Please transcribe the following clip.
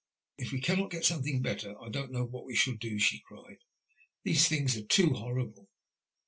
" If we camiot get something better, I don't know what we shall do," ehe cried. '' These things are too horrible.